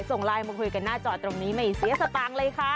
ส่งไลน์มาคุยกันหน้าจอตรงนี้ไม่เสียสตางค์เลยค่ะ